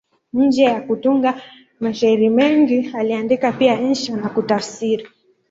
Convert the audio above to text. Nje ya kutunga mashairi mengi, aliandika pia insha na kutafsiri.